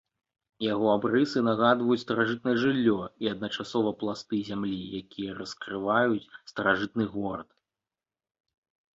Яго абрысы нагадваюць старажытнае жыллё і адначасова пласты зямлі, якія раскрываюць старажытны горад.